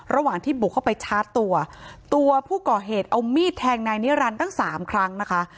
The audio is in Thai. ระหว่างที่บุกเข้าไปชาร์จตัวตัวผู้ก่อเหตุเอามีดแทงนายนิรันดิ์ตั้งสามครั้งนะคะ